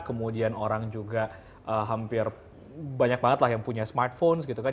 kemudian orang juga hampir banyak banget lah yang punya smartphone gitu kan